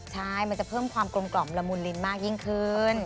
ใช่มันจะเพิ่มความกลมกล่อมละมุนลิ้นมากยิ่งขึ้น